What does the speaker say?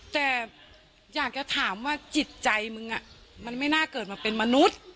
แต่อยากจะถามว่าจิตใจมึงมันไม่น่าเกิดมาเป็นมนุษย์